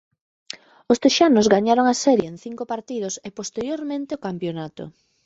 Os texanos gañaron a serie en cinco partidos e posteriormente o campionato.